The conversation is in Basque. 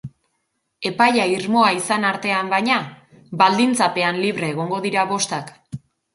Epaia irmoa izan artean, baina, baldintzapean libre egongo dira bostak.